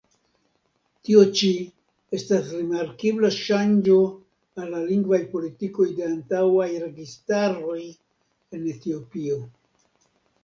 Tio ĉi estas rimarkebla ŝanĝo al la lingvaj politikoj de antaŭaj registaroj en Etiopio.